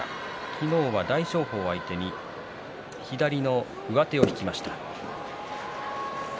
昨日は大翔鵬相手に左の上手を引きました。